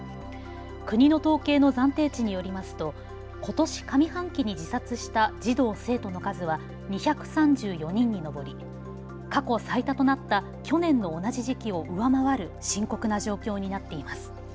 国の統計の暫定値によりますとことし上半期に自殺した児童生徒の数は２３４人に上り、過去最多となった去年の同じ時期を上回る深刻な状況になっています。